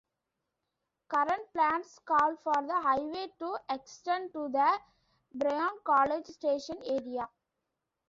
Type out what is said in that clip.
Current plans call for the highway to extend to the Bryan-College Station area.